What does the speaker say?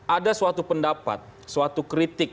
ada suatu pendapat suatu kritik